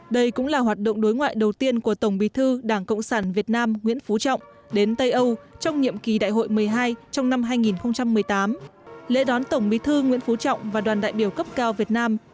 đây cũng là hoạt động đối ngoại đầu tiên của tổng bí thư đảng cộng sản việt nam nguyễn phú trọng đến tây âu trong nhiệm kỳ đại hội một mươi hai trong năm hai nghìn một mươi tám